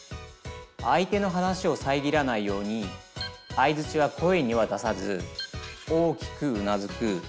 相手の話をさえぎらないようにあいづちは声には出さず大きくうなずく。